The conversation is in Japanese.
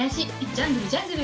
ジャングルジャングル。